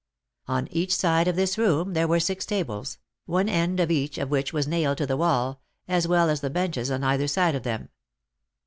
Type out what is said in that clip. On each side of this room there were six tables, one end of each of which was nailed to the wall, as well as the benches on either side of them.